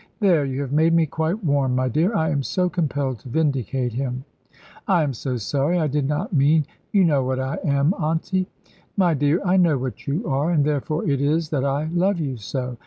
There, you have made me quite warm, my dear; I am so compelled to vindicate him." "I am so sorry I did not mean you know what I am, Auntie." "My dear, I know what you are, and therefore it is that I love you so.